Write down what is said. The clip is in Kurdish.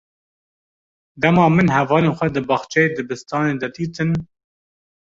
Dema min hevalên xwe di baxçeyê dibistanê de dîtin.